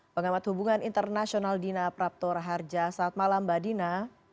pengamat hubungan internasional dina praptor harja saat malam mbak dina